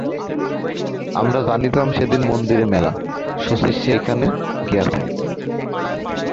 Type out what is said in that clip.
আমরা জানিতাম সেদিন মন্দিরে মেলা, শচীশ সেইখানে গিয়াছে।